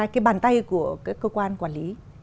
cái bàn tay của các cơ quan quản lý